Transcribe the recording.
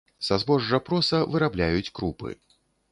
Са збожжа проса вырабляюць крупы.